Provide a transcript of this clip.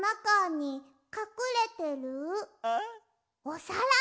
おさら？